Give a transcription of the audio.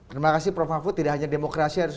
terima kasih prof mahfud tidak hanya demokrasi harus